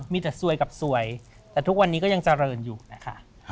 มีแต่สวยกับสวยแต่ทุกวันนี้ก็ยังเจริญอยู่นะคะ